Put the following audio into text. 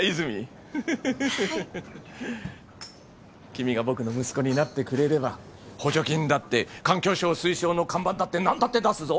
君が僕の息子になってくれれば補助金だって環境省推奨の看板だって何だって出すぞ。